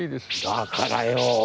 だからよ